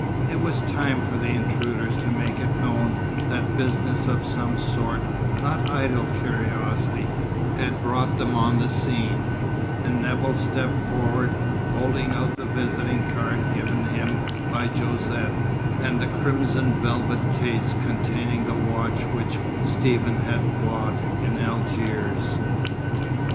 It was time for the intruders to make it known that business of some sort, not idle curiosity, had brought them on the scene, and Nevill stepped forward, holding out the visiting card given him by Josette, and the crimson velvet case containing the watch which Stephen had bought in Algiers.